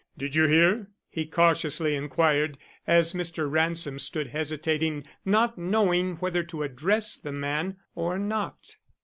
"Did you hear?" he cautiously inquired, as Mr. Ransom stood hesitating, not knowing whether to address the man or not.